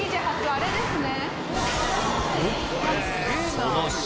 あれですね。